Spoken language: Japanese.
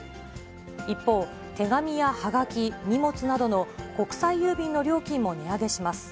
一方、手紙やはがき、荷物などの国際郵便の料金も値上げします。